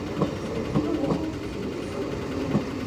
Sed tio ne funkciis.